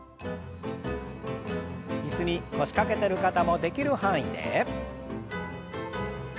椅子に腰掛けてる方もできる範囲で。